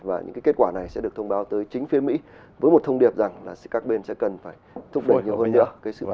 và những kết quả này sẽ được thông báo tới chính phía mỹ với một thông điệp rằng là các bên sẽ cần phải thúc đẩy nhiều hơn nữa